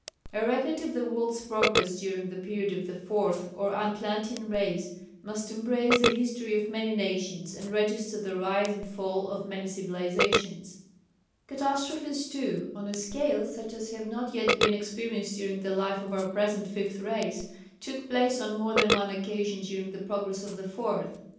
A record of the world's progress during the period of the Fourth or Atlantean Race must embrace the history of many nations, and register the rise and fall of many civilizations. Catastrophes, too, on a scale such as have not yet been experienced during the life of our present Fifth Race, took place on more than one occasion during the progress of the Fourth.